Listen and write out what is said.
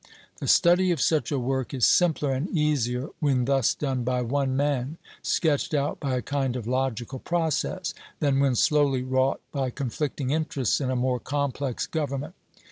The study of such a work is simpler and easier when thus done by one man, sketched out by a kind of logical process, than when slowly wrought by conflicting interests in a more complex government.